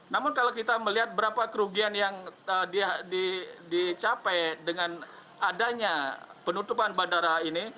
namun kalau kita melihat berapa kerugian yang dicapai dengan adanya penutupan bandara ini